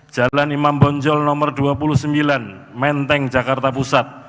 jalan imam bonjol nomor dua puluh sembilan menteng jakarta pusat